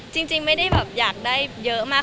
จริงไม่ได้แบบอยากได้เยอะมาก